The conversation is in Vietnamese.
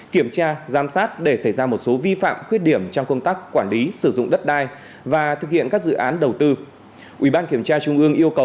kiểm tra giám sát để xảy ra một số vi phạm khuyết điểm trong trường hợp